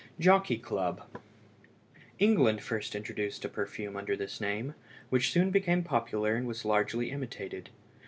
JOCKEY CLUB. England first introduced a perfume under this name, which soon became popular and was largely imitated.